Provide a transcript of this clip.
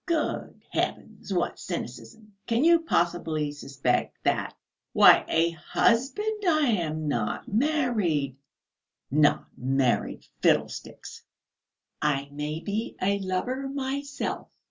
"Good heavens, what cynicism!... Can you possibly suspect that? Why a husband?... I am not married." "Not married? Fiddlesticks!" "I may be a lover myself!"